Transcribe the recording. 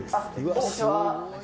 こんにちは。